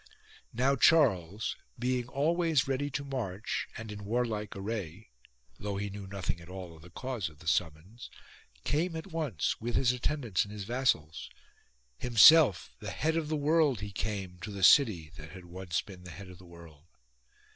Now Charles, being always ready to march and in warlike array, though he knew nothing at all of the cause of the summons, came at once with his attendants and his vassals ; himself the head of the world he came to the city that had once been the head of the world.